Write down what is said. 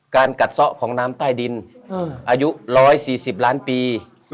การกัดเซาะของน้ำต้ายดินอายุ๑๔๐ล้านปี